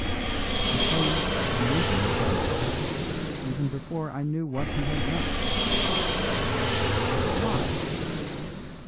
"I tell you I knew he had done it, even before I knew what he had done." "But why?"